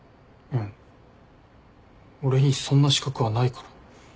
俺にそんな資格はないから。